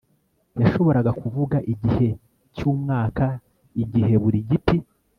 yashoboraga kuvuga igihe cyumwaka igihe buri giti